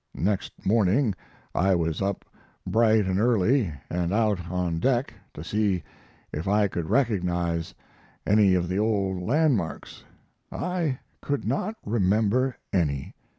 Next morning I was up bright and early and out on deck to see if I could recognize any of the old landmarks. I could not remember any.